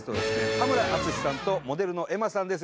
田村淳さんとモデルのｅｍｍａさんです。